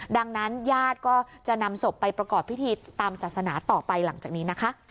ดังนั้นญาติก็จะนำศพไปประกอบพิธีตามศาสนาต่อไปหลังจากนี้นะคะ